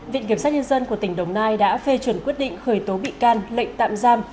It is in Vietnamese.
viện kiểm sát nhân dân của tỉnh đồng nai đã phê chuẩn quyết định khởi tố bị can lệnh tạm giam